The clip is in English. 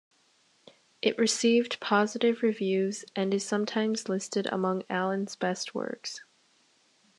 It received positive reviews and is sometimes listed among Allen's best works.